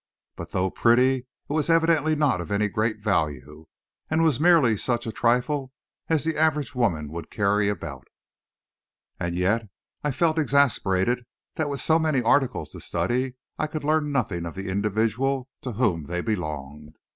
But, though pretty, it was evidently not of any great value, and was merely such a trifle as the average woman would carry about. And yet I felt exasperated that with so many articles to study, I could learn nothing of the individual to whom they belonged.